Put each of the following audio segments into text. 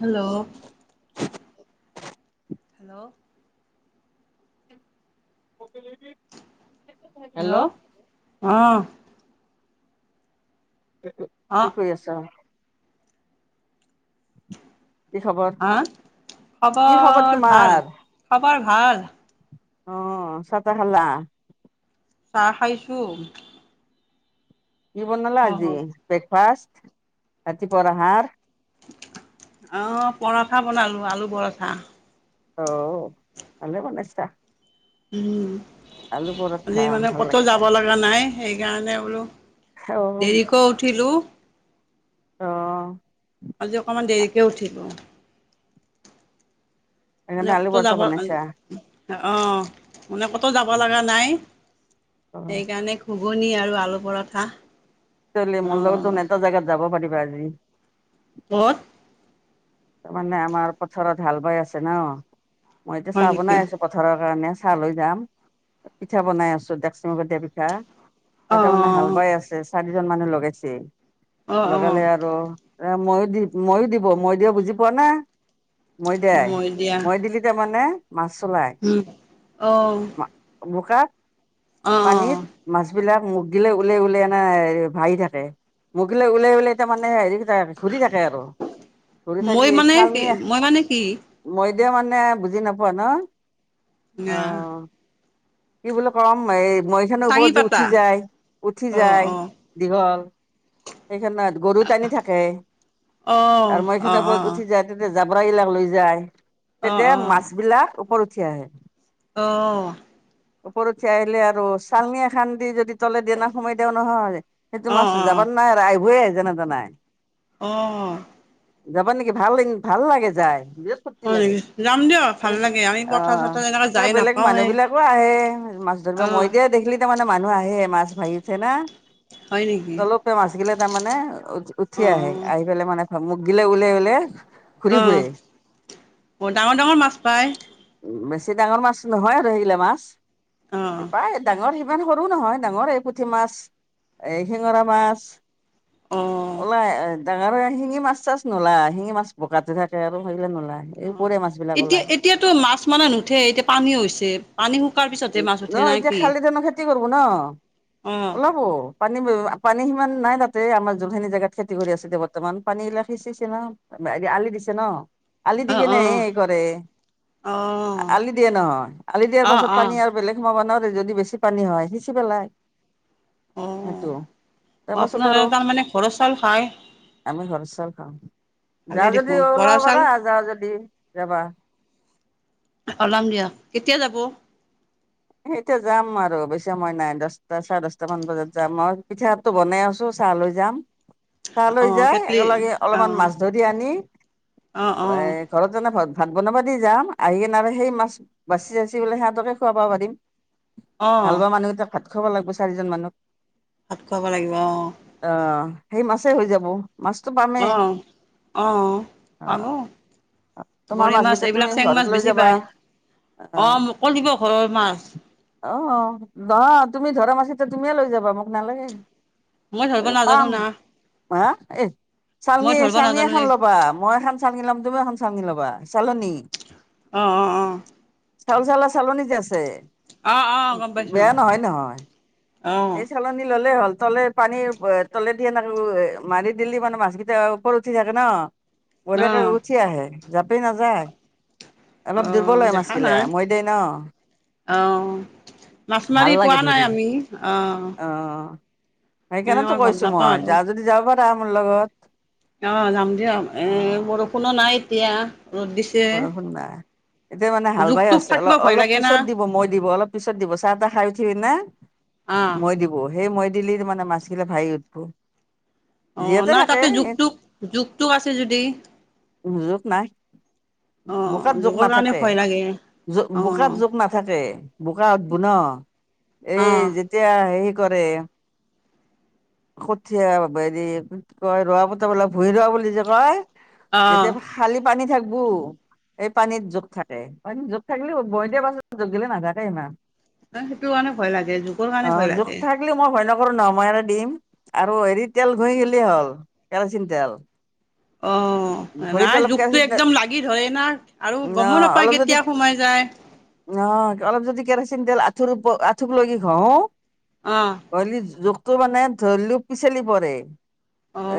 Hello, hello? [unintelligible] Hello, ' অ'। কি অ', কৰি আছ? কি খবৰ, হা কি খবৰ- তোমাৰ? খবৰ ভাল অ' চাহ তাহ খালা? চাহ খাইছোঁ। কি বনালা আজি অ', ব্ৰেকফাষ্ট ৰাতিপুৱা আহাৰ? অঁ পৰঠা বনালো আলু পৰঠা। অ ভালে বনাইছা। উম, আলু পৰঠা আজি মানে ভাল কতো লাগে যাব খাই। লগা নাই। সেইকাৰণে বোলো অ', দেৰিকৈ উঠিলোঁ। অ আজি অকণমান দেৰিকৈ উঠিলো। মানে সেইকাৰণে আলু কতো পৰঠা যাব বনাইছা? অ মানে ক'তো যাব লগা নাই অ'। সেইকাৰণে ঘুগুনি আৰু আলু পৰঠা লে মোৰ লগত অ', এটা জেগাত যাব পাৰিবা আজি ক'ত? তাৰমানে আমাৰ পথাৰত হাল বাই আছে ন মই এতিয়া হয় চাহ নেকি বনাই অ', আছো পথাৰৰ কাৰণে চাহ লৈ যাম পিঠা বনাই আছো ডেকচি মুখত দিয়া পিঠা। তাতে মানে হাল বাই আছে চাৰিজন মানুহ লগাইছে অ', অ', অ', লগালে আৰু এ মৈ দি মৈ দিব মৈ দিয়া বুজি পোৱা না? মৈ দিয়াই মই দিয়া মৈ দিলি তাৰমানে মাছ ওলায় উম অ বোকা অ অ পানীত মাছ বিলাক মুখ দিলে ওলাই ওলে এনে ভাসি থাকে মুখ দিলে ওলাই ওলাই তাৰমানে হেৰি ঘূৰি থাকে আৰু। ঘূৰি মৈ থাকিলে মানে কি চালনি মৈ মানে কি? মই দিয়া মানে বুজি নাপোৱা ন? অ না। কি বুলি কম এই মৈখনৰ চাঙি ওপৰত যে পাতা উঠি যায় উঠি অ যায়। অ দীঘল সেইখনত গৰু টানি থাকে অ আৰু অ অ মৈখনৰ ওপৰত উঠি যাই তেতিয়া জাবৰা বিলাক লৈ যায় অ অ তেতিয়া মাছ বিলাক ওপৰত উঠি আহে। অহ। ওপৰত উঠি আহিলে আৰু চালনি এখন দি যদি তলে দি সোমাই দিয়া নহয় সেইটো অ অ মাছ যাবা ন ৱাৰে আহিবই যেনে তেনে অহ যাবা নেকি ভাল ভাল লাগে যায়। বিৰাত ফূৰ্তি হয় লাগে নেকি যাম দিয়ক এ ভাল লাগে আমি অ পথাৰ চথাৰ এনেকৈ ত যাই বেলেগ নাপাওঁৱেই মানুহ বিলাক আহে মাছ ধৰিব অঁ মই দিয়া দেখিলি তাৰমানে মানুহ আহে মাছ ভৰি উঠে না হয় নেকি? তলপে মাছ গিলে তাৰমানে উঠি অঁ আহে অঁ আহি পেলাই মানে মুখ গিলা ওলাই ওলাই অঁ, ডাঙৰ ডাঙৰ মাছ পায়? উম বেছি ডাঙৰ মাছ নহয়, আৰু সেইগিলা মাছ অঁ প্ৰায় ডাঙৰ ইমান সৰু নহয়, ডাঙৰ এই পুঠি মাছ, এ শিঙৰা মাছ। অঁ ওলাই আহ ডাঙৰ শিঙি মাছ চাছ নোলায় শিঙি মাছ বোকাতে থাকে আৰু হেইগিলা নোলায় এই অঁ গৰৈ মাছ বিলাক এতিয়া ওলায়। এতিয়াতো মাছ মানে নুঠে এতিয়া পানী হৈছে, পানী শুকোৱাৰ পিছতে মাছ উঠে না কি? [unintelligible] কৰিব ন অ', ওলাব। পানী পানী সিমান নাই তাতে আমাৰ জোনখিনি জেগাত খেতি কৰি আছিল দে বৰ্তমান, পানী এইবিলাক সিঁচিছেি না। এ আলি দিছে ন আলি দি অ', কেনে অ', এই কৰে, অ', আলি দিয়ে নহয়। আলি দিয়াৰ পাছত পানী অ', অ', বেলেগ মানুহৰ যদি বেছি পানী হয়, সিঁচি পেলাই। অ', সেইটো, তাৰপাছত আৰু আপোনালোকে তাৰমানে ঘৰৰ চাউল খাই আমি ঘৰ চাউল খাওঁ। যা ভালেই যদি দেখোন বৰা ওলাব চাউল পাৰা, যা যদি যাবা। ওলাম দিয়া, কেতিয়া যাব? এতিয়া যাম আৰু অৱশ্যে মই নাই, দশটা চাৰে দশটা মান বজাত যাম আৰু পিঠাত টো বনাই আছো, চাহ লৈ যাম। তালৈ অ', যায়, কেটলি একেলগে অলপমান অ', মাছ ধৰি আনি এ, অ', অ', ঘৰত জনাই ভা-ভাত বনাব দি যাম, আহি কিনে সেই মাছ বাচি-যচি বোলে সিহঁতকে খুৱাব পাৰিম। হাল অ', বোৱা মানুহ এটাক ভাত খোৱাব লাগিব, চাৰিজন মানুহ। ভাত খুৱাব লাগিব অ'। আহ, সেই মাছেই হৈ যাব। মাছটো পামেই, অ', অ', অ'। পাব তোমাৰ গৰৈ মাছ কেইটা তুমি এইবিলাক আজি চেং ঘৰত লৈ যাবা, আহ'। কৈ দিব, ঘৰৰ মাছ। অ', অ' নহয় তুমি ধৰা মাছে, ত' তুমিয়ে লৈ যাবা মোক নালাগে। মই এ, ধৰিব নাজানো পাম না হ, এ, চালী মই ধৰিব চালনী নাজানো এখন দেই ল'বা, মই এখন চালনি লাম, তুমি এখন চালনি ল'বা, চালনী। অ', অ', অ'। চাউল-চলা চালনি যে আছে। অ', অ', গম পাইছোঁ বেয়া নহয়-নহয়, অ', এই চালনী ললে হ'ল তলে পানীৰ এ তলেদি এনেকে, অ' মাৰি দিলি মানে মাছ কেইটা ওপৰত উঠি থাকে ন। বঢ়িয়াকে অ', উঠি আহে, যাপেই নাযায়। অলপ অ', দুৰ্বল হয় মাছ দেখা নাই বিলাক হৈ দে ন। অ', মাছ ভাল মাৰি লাগে পোৱা ধৰি নাই আমি অ'। এনে সেইকাৰণেতো মই গম কৈছো নাপাওঁ মই যা আৰু। যাব পাৰা মোৰ লগত। অ' যাম দিয়া এ, অ বৰষুণো নাই এতিয়া। ৰ'দ দিছে। বৰষুণ নাই। এতিয়া মানে হাল জোক বাই তোক আছে। থাকিব ভয় অলপ-অলপ লাগে না পিছত দিব মই দিব, অলপ পিছত দিব চাহ-তাহ খাই উঠি পিনে। অ', মৈ দিব, সেই মৈ দিলি তাৰমানানে মাছখিলা ভাঁহি উঠব। অ', যিহতে নাই থাকে তাতে জোগ-টোক, জোক-টোক আছে যদি। জোক নাই। অ', বোকাত জোক জোকৰ কাৰণে নাথাকে, ভয় লাগে জোক বোকাত অ', জোক নাথাকে বোকা উত বু ন'। এই, অ', যেতিয়া হেৰি কৰে কঠীয়া হেৰি কি কয়, ৰোৱা পত বোলে ভূঁইি ৰোৱা বুলি যে কয়। অ'। যেতিয়াটো খালি পানী থাকিবো। এই পানীত জোক থাকে, মান জোক থাকিলেও বই দিয়াৰ পাছত জোক বিলাক নাথাকে ইমান। ত' সেইটোৰ কাৰণে ভয় লাগে, জোকৰ কাৰণে ভয় লাগে। থাকিলেও মই ভয় নকৰোঁ নহয়, মই এৰাই দিম আৰু হেৰিত তেল ঘঁহি গিলি হ'ল, কেৰাচিন তেল। অ', ভৰিত নাই অলপ জোকটো কেৰাচিন একদম লাগ গি ধৰে না, আৰু তেল গমো নাপায় কেতিয়া সোমাই যায়। অহ, অলপ যদি কেৰাচিন তেল আঁঠু ওপৰ, আঁঠুক লগি ঘঁহো। অ'। হলিউ জোকটো মানে ধৰিলেও পিচলি পৰে।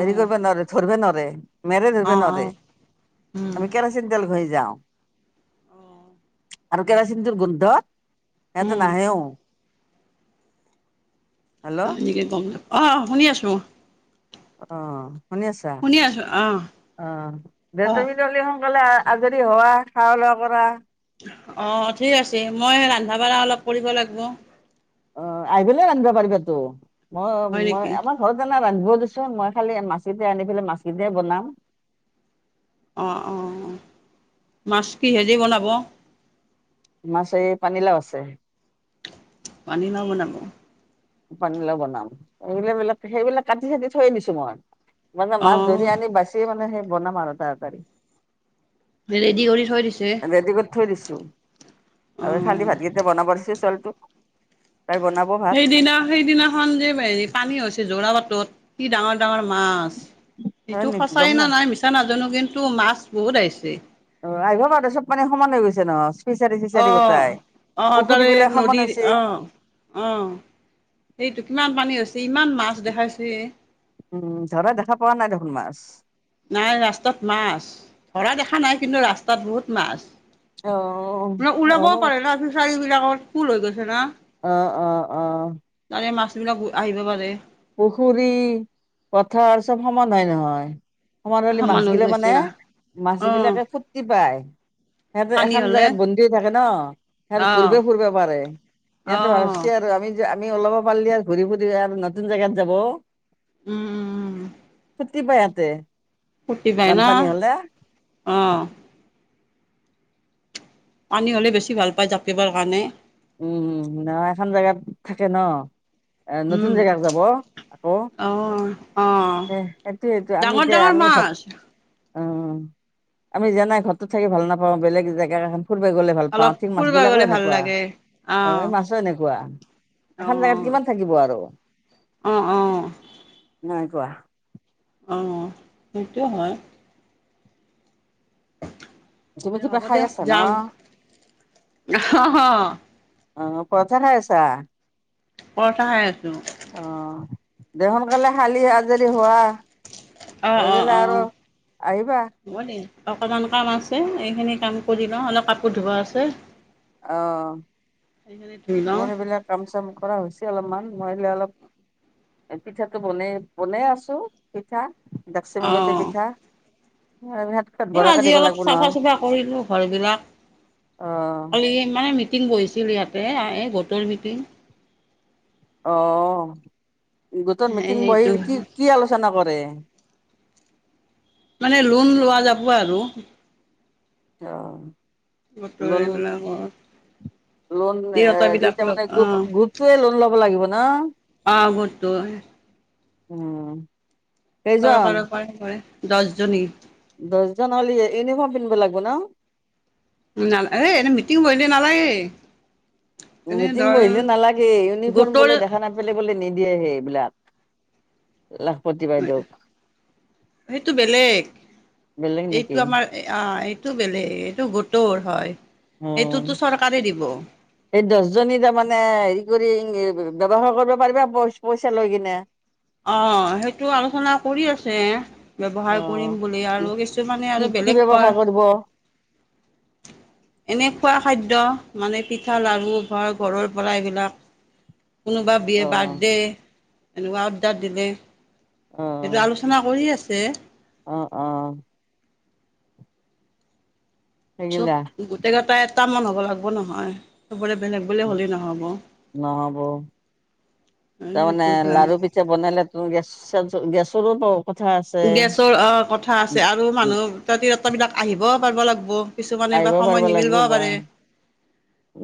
হেৰি কৰিব নোৱাৰে, ধৰবা নোৱাৰে, মেৰে ধৰবা অ', অ', নোৱাৰে। উম। আমি কেৰাচিন তেল ঘহি যাওঁ। অ'। আৰু কেৰাচিন তেল গোন্ধত সিহঁতে নাহেও। হেল্ল' এনেকে গম নাপ অ' অ' শুনি আছোঁ। অ', শুনি আছা? ঠিকে আছোঁ, অ'। অ', দে অ তুমি নহলি সোনকালে আ আজৰি হোৱা খাৱা লোৱা কৰা। অ', ঠিক আছে। মই ৰন্ধা বাঢ়া অলপ কৰিব লাগিব। অ', আহি পেলাই ৰান্ধিবা পাৰিবাতো। মই হয় মই নেকি আমাক ঘৰত এনে ৰান্ধিব দিচো মই খালি মাছে দি আনি পেলাই মাছে দিয়ে বনাম। অ', অ', অ', মাছ কিহেদি বনাব? মাছ এই পানীলা‌উ আছে। পানীলাউ বনাব। পানীলাউ বনাম সেইবিলাক সেইবিলাক কাটি চাটি থৈ দিছোঁ মই। মানে অ মাছ ধৰি আনি বাচি মানে সেই বনাম আৰু তাৰকাৰি। ৰেডি কৰি থৈ দিছে। ৰেডি কৰি থৈ দিছোঁ অ আৰু খালি ভাতকেইটা বনাব দিছো ছোৱালীটোক তাই বনাব। ভাত সেইদিনা সেইদিনাখন যে হেৰি পানী হৈছে যোৰাবাটত কি ডাঙৰ ডাঙৰ মাছ। হয় ইটো নেকি সঁচাই গম না নাই মিছা নাজানো কিন্তু মাছ বহুত আহিছে। অ', আহিব পাৰে চব পানী সমান হৈ গৈছে ন। অ', অ', তাৰ বিলাক সমান নদীৰ হৈছে অ' অ'। সেইটো কিমান পানী হৈছে ইমান মাছ দেখাইছে। উম, ধৰা দেখা পোৱা নাই দেখোন মাছ। নাই ৰাস্তাত মাছ ধৰা দেখা নাই কিন্তু ৰাস্তাত বহুত মাছ। অ না ওলাবও হ'ব পাৰে না ফিচাৰীবিলাকত ফুল হৈ গৈছে না। অ', অ', অ'। তাৰে মাছবিলাকো আহিব পাৰে। পুখুৰী পথাৰ চব সমান হয় নহয়। সমান হলি হৈ মাছগিলে গৈছে মানে অ মাছবিলাকে ফূৰ্তি পায়। সিহঁতে পানী এখন হলে জেগাত বন্দি হৈ থাকে ন, সিহঁত অ ঘুৰব ফুৰব পাৰে। অ সিহঁতে ভাবছি আৰু আমি আমি ওলাব পাৰিলে আৰু ঘূৰি ফুৰি আৰু নতুন জেগাত যাব। উম, উম, উম। ফূৰ্তি পায় ইহঁতে। ফূৰ্তি পাই না অ'। পানী হ'লে বেছি ভাল পায় জাপিবাৰ কাৰণে। উম, আৰু এখন জেগাত থাকে ন। এ নতুন উম জেগাত যাব, আকৌ। অ অ এহ সেইটোয়েটো ডাঙৰ আমিতে ডাঙৰ আমি ঘৰ মাছ অ', আমি যেনেই ঘৰটোত থাকি ভাল নাপাওঁ, বেলেগ জেগা এখন ফুৰবা গ'লে ভাল অলপ পাওঁ, ঠিক ফুৰিব গলে মাছবিলাকো ভাল এনেকুৱা। লাগে অ', এই মাছো এনেকুৱা, এখন জেগাত কিমান থাকিব আৰু। অ', অ'। অঁ নাই কোৱা। অ' সেইটো হয়। তুমি দে কিবা হ'ব খাই দিয়ক আছা ন যাম, অহ হ'। অ' পৰঠা খাই আছা। পৰঠা খাই আছো। অ'। দে সোনকালে শালি আজৰি হোৱা, হৈ পেলাই আৰু আহিবা। মই দেই, অকণমান কাম আছে এইখিনি কাম কৰি লওঁ অলপ কাপোৰ ধুব আছে। অ', সেইখিনি ধুই লওঁ মোৰ সেইবিলাক কাম - চাম কৰা হৈছে অলপমান মই এইফালে অলপ এ পিঠাটো বনাই বনাই আছো পিঠা [unintelligible] এ আজি দিব অলপ লাগিব চাফা নহয় - চুফা কৰিলো ঘৰবিলাক, খালি মানে মিটিং বহিছিল ইয়াতে আ এই গোটৰ মিটিং। অ', গোটৰ সেই মিটিং সেইটো বহিল কি' কি আলোচনা কৰে? মানে লোন লোৱা যাব আৰু। অ'। গোটৰ লোন- এইবিলাকৰ লোন এ দি তিৰোতাবিলাক তাৰ লগ মানে গ্ৰু অঁ গ্ৰুপ টোয়ে লোন ল'ব লাগিব না'? অ' গোটটোৱে। উম। কেইজন চৰকাৰৰ পৰাই কৰে দছজনী। দছজন হ'ল ই ইউনিফৰ্ম পিন্ধিব লাগব না? নাল এ এনেই মিটিং বহিলে নালাগেই। উম মিটিং বহিলে নালাগে ইউনিফৰ্ম গোটৰ বোলে দেখা নাপেলে বোলে নিদিয়েহে এইবিলাক। লাখপতি বাইদেউ। সেইটো বেলেগ বেলেগ নেকি এইটো আমাৰ এই অ' এইটো বেলেগ এইটো গোটৰ হয় অ এইেটোতো চৰকাৰে দিব। এই দছজনী তাৰমানে হেৰি কৰি এ ব্যৱ ব্যৱসায়ৰ কৰিব পাৰিবা পইচ পইচা লৈ কিনে। অ' সেইটো আলোচনা কৰি আছে। অ ব্যৱহাৰ কৰিম বুলি আৰু কি কিছুমানে আৰু কি বেলেগ কয়। ব্যৱসায় কৰিব অ [inaudible] এনে খোৱা খাদ্য মানে পিঠা, লাৰু ঘৰ- ঘৰৰ পৰা এইবিলাক কোনোবা বিয়ে অ বাৰ্থডে এনেকুৱা অৰ্ডাৰ দিলে। অ'। সেইটো আলোচনা কৰি আছে। অ' অ'। চব সেইগিলা গোটেই কেইটা এটা মান হ'ব লাগব নহয়। চবৰে বেলেগ বেলেগ অ হ'লেই নহব‌, অ নহ'ব সেইটোকাৰণে। এতিয়া বনালে তোৰ গেচ [unintelligible] গেছৰৰো প্ৰ গেছৰ অ' কথা আছে আৰু মানুহ [unintelligible] বিলাক আহিবও পাৰিব লাগব। কিছুমান আহিব এবাৰ পাৰিব সময় লাগিব নিমিলিবওঁ বা পাৰে।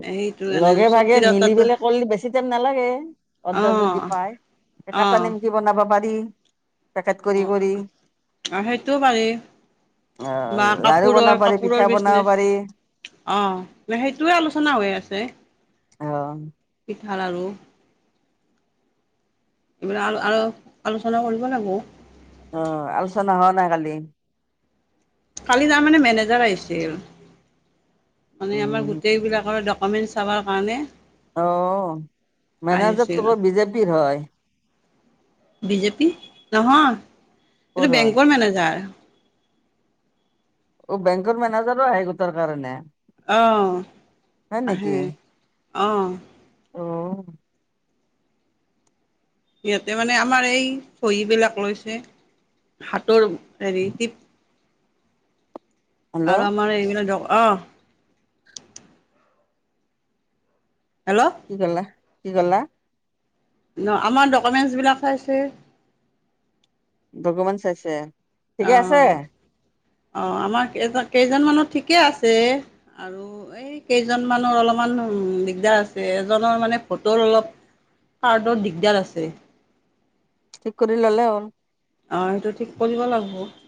সেইটো কাৰণে লগে চব ভাগে মিলি তিৰোতাটো পেলে কৰিলে বেছি টাইম নালাগে, অৰ্ডাৰ অঁ যদি পাই। এ কাটা অঁ নেমকি বনাব পাৰি। পেকেট কৰি কৰি। সেইটোও পাৰি বা অ' লাৰু বনাব পাৰি, পিঠা বনাব পাৰি। অ' সেইটোয়ে আলোচনা হৈ আছে। অ'। পিঠা লাৰু। লাল আৰু আলোচনা কৰিব লাগিব। অ' আলোচনা হোৱা নাই কালি। কালি তাৰ মানে মেনেজাৰ আহিছিল, মানে আমাৰ উম গোটেইবিলাকৰ কমেণ্ট চাবৰ কাৰণে। অ মেনেজাৰ আহিছিল। তো কৰ বিজেপিৰ হয়। বিজেপি নহয় ক'ৰ এইটো হয় বেংকৰ মেনেজাৰ। অ বেংকৰ মেনেজাৰো আহে গোটৰ কাৰণে। অ হয় আহে নেকি অ। অ সিহঁতে মানে আমাৰ এই চহী বিলাক লৈছে হাতৰ হেৰি টিপ। হেল্ল'। আৰু আমাৰ এইবিলাক অ হেল্ল' কি কলা কি কলা। ন আমাৰ ডকুমেণ্টছবিলাক চাইছে। দকমেনট চাইছে। অ ঠিকে আছে অ আমাৰ কেজন কেইজনমানৰ ঠিকে আছে আৰু। এই কেইজনমানৰ অলপমান দিগদাৰ আছে এজনৰ মানে ফটোৰ অলপ কাৰৰ্ডত দিগদাৰ আছে। ঠিক কৰি ল'লে হ'ল। অঁ সেইটো ঠিক কৰিব লাগিব।